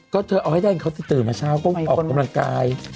ก็เธอเอาให้ได้เขาจะตื่นมาเช้าก็ออกกำลังกาย